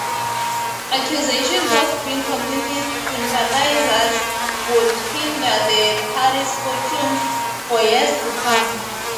Accusations of being "Communist sympathizers" would hinder the party's fortunes for years to come.